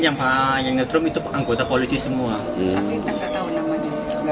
yang memukulin yang ditrum itu anggota polisi semua